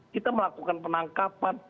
kita melakukan penangkapan